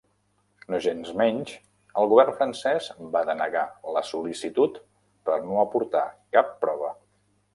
Nogensmenys, el govern francès va denegar la sol·licitud per no aportar cap prova.